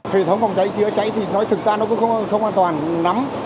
hệ thống phòng cháy chữa cháy thì nói thực ra nó cũng không an toàn lắm